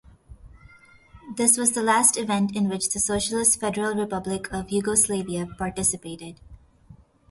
This was the last event in which the Socialist Federal Republic of Yugoslavia participated.